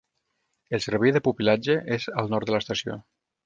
El servei de pupil·latge és al nord de l'estació.